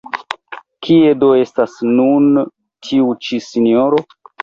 Kie do estas nun tiu ĉi sinjoro?